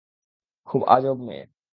খুব আজব মেয়ে।